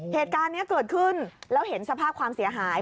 เหตุการณ์นี้เกิดขึ้นแล้วเห็นสภาพความเสียหาย